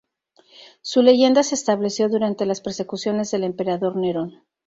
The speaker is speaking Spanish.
Su leyenda se estableció durante las persecuciones del emperador Nerón.